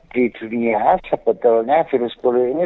di dunia sebetulnya virus flu ini